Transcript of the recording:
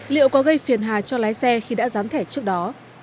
liệu có gây phiền hà cho lái xe khi đã dán thẻ trước đó